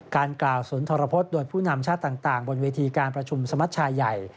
กล่าวสุนทรพฤษโดยผู้นำชาติต่างบนเวทีการประชุมสมัชชายใหญ่